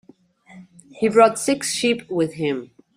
He brought six sheep with him.